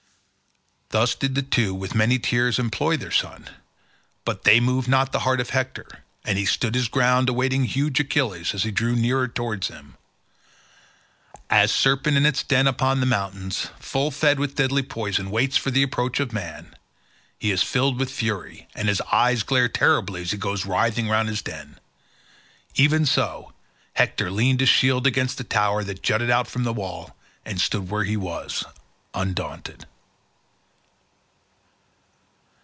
Thus did the two with many tears implore their son, but they moved not the heart of Hector, and he stood his ground awaiting huge Achilles as he drew nearer towards him. As a serpent in its den upon the mountains, full fed with deadly poisons, waits for the approach of man—he is filled with fury and his eyes glare terribly as he goes writhing round his den—even so Hector leaned his shield against a tower that jutted out from the wall and stood where he was, undaunted.